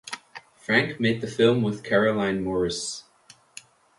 Frank made the film with Caroline Mouris.